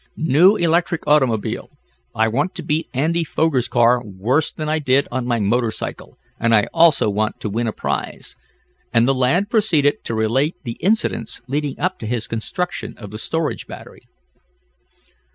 "New electric automobile. I want to beat Andy Foger's car worse than I did on my motor cycle, and I also want to win a prize," and the lad proceeded to relate the incidents leading up to his construction of the storage battery.